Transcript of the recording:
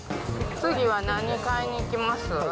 次は何買いに行きます？